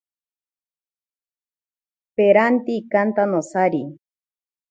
Peranti ikanta nosari.